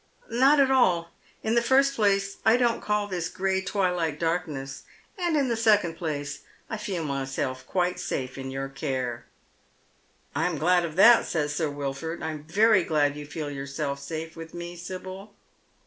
" Not at all. In the first place I don't call this gray twilight darkness, and in the second place I feel myself quite safe in your care." " I am glad of that," says Sir Wilford. " I am very glad you feel yourself safe with me, Sibyl."